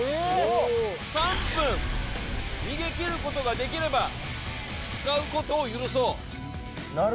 ３分逃げきることができれば、使うことを許そう。